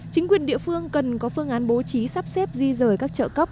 chính quyền địa phương cần có phương án bố trí sắp xếp di rời các trợ cấp